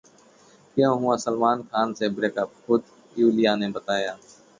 क्यों हुआ सलमान खान से 'ब्रेकअप', खुद यूलिया ने बताया